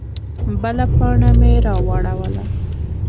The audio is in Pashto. _بله پاڼه مې راواړوله.